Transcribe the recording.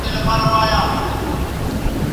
هغه پوهان چي مخکي تېر سوي درناوی لري.